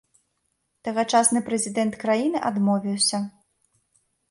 Тагачасны прэзідэнт краіны адмовіўся.